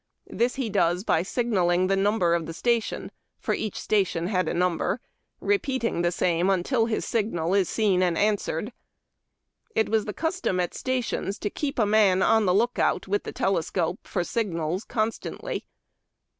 This he does by signalling the number of the station (for each station had a number), re peating the same until his signal is seen and answered. It was the custom at stations to keep a man on the lookout, with the telescope, for signals, constantly.